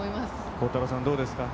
孝太郎さん、どうですか。